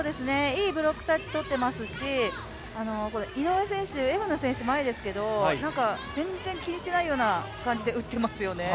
いいブロックタッチ取っていますし、井上選手、エゴヌ選手が前ですけど全然気にしていないような感じで打っていますよね。